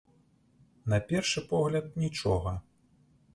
На першы погляд, нічога.